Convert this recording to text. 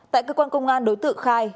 tại cơ quan công an đối tượng khai